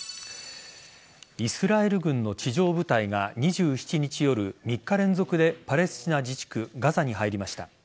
イスラエル軍の地上部隊が２７日夜３日連続でパレスチナ自治区・ガザに入りました。